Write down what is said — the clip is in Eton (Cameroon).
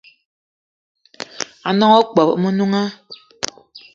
A gnong opeup o Menunga